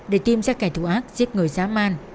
để tìm ra kẻ thù ác giết người dã man